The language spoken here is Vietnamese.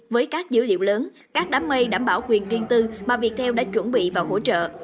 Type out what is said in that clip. với các dữ liệu lớn các đám mây đảm bảo quyền riêng tư mà viettel đã chuẩn bị và hỗ trợ